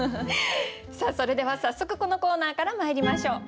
さあそれでは早速このコーナーからまいりましょう。